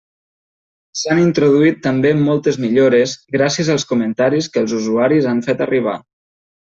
S'han introduït també moltes millores gràcies als comentaris que els usuaris han fet arribar.